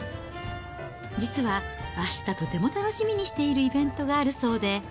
実は、あしたとても楽しみにしているイベントがあるそうで。